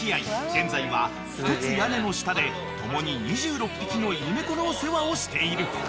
現在は一つ屋根の下で共に２６匹の犬猫のお世話をしている］